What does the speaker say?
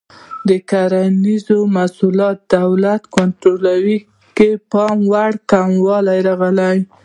د کرنیزو محصولاتو دولتي کنټرول کې پاموړ کموالی راغی.